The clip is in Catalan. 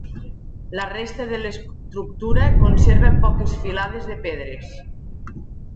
La resta de l'estructura conserva poques filades de pedres.